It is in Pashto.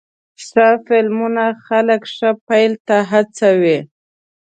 ښه فلمونه خلک ښه پیل ته هڅوې.